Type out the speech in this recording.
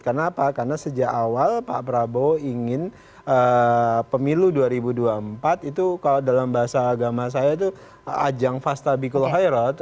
karena apa karena sejak awal pak prabowo ingin pemilu dua ribu dua puluh empat itu kalau dalam bahasa agama saya itu ajang fasta bikul hairal